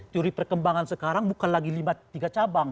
teori perkembangan sekarang bukan lagi tiga cabang